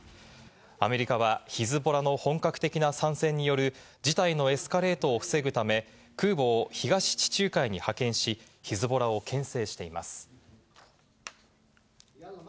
アメリカはヒズボラの本格的な参戦による事態のエスカレートを防ぐため、空母を東地中海に派遣し、ヒズボラをけん制しています。